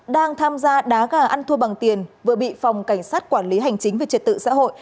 đang tham gia đá gà ăn thua bằng tiền vừa bị phòng cảnh sát quản lý hành chính về trật tự xã hội